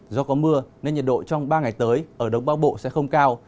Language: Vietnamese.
do có mưa nên nhiệt độ trong ba ngày tới ở đông bắc bộ sẽ không cao